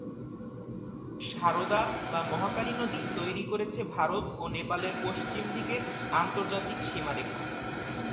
সারদা বা মহাকালী নদী তৈরি করেছে ভারত ও নেপালের পশ্চিম দিকের আন্তর্জাতিক সীমারেখা।